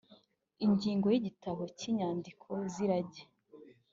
ingingo ya igitabo cy inyandiko z irage